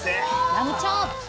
ラムチョーップ！